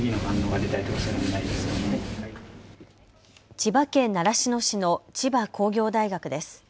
千葉県習志野市の千葉工業大学です。